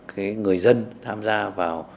những người dân tham gia vào